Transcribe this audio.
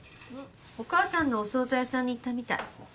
お母さんのお総菜屋さんに行ったみたい。